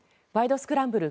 スクランブル」